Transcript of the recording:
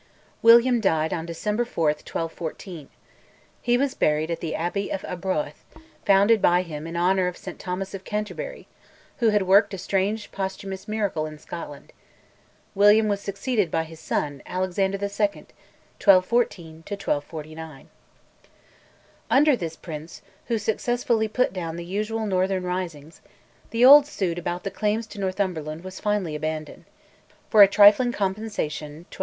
William died on December 4, 1214. He was buried at the Abbey of Arbroath, founded by him in honour of St Thomas of Canterbury, who had worked a strange posthumous miracle in Scotland. William was succeeded by his son, Alexander II. (1214 1249). ALEXANDER II. Under this Prince, who successfully put down the usual northern risings, the old suit about the claims to Northumberland was finally abandoned for a trifling compensation (1237).